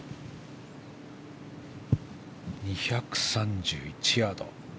２３１ヤード。